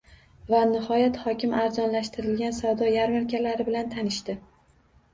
Viloyat hokimi arzonlashtirilgan savdo yarmarkalari bilan tanishdi